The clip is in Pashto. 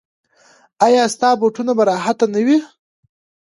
ایا ستاسو بوټونه به راحت نه وي؟